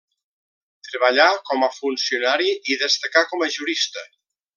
Treballà com a funcionari i destacà com a jurista.